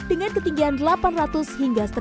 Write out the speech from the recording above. dengan ketinggian delapan ratus hingga seratus